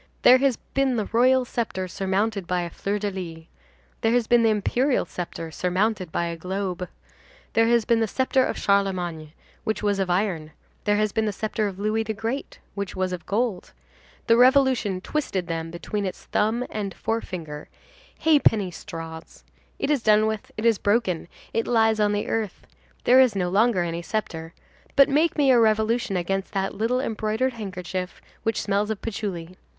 There has been the royal sceptre surmounted by a fleur de lys, there has been the imperial sceptre surmounted by a globe, there has been the sceptre of Charlemagne, which was of iron, there has been the sceptre of Louis the Great, which was of gold,—the revolution twisted them between its thumb and forefinger, ha'penny straws; it is done with, it is broken, it lies on the earth, there is no longer any sceptre, but make me a revolution against that little embroidered handkerchief, which smells of patchouli!